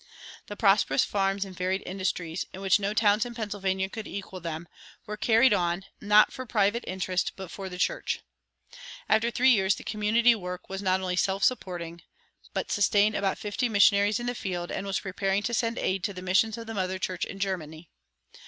The prosperous farms and varied industries, in which no towns in Pennsylvania could equal them, were carried on, not for private interest, but for the church. After three years the community work was not only self supporting, but sustained about fifty missionaries in the field, and was preparing to send aid to the missions of the mother church in Germany.